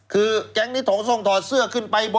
คือแก๊งนี้ถอดทรงถอดเสื้อขึ้นไปบน